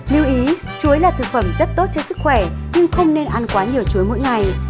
lưu ý chuối là thực phẩm rất tốt cho sức khỏe nhưng không nên ăn quá nhiều chuối mỗi ngày